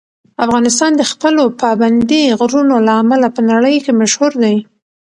افغانستان د خپلو پابندي غرونو له امله په نړۍ کې مشهور دی.